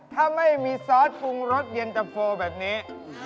ถ้าไม่มีซอสปรุงรสเย็นตะโฟแบบนี้